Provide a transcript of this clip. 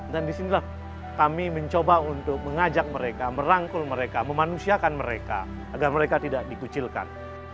dan disinilah kami mencoba untuk mengajak mereka merangkul mereka memanusiakan mereka agar mereka tidak dikucilkan